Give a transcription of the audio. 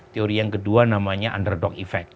teori yang kedua namanya underdog effect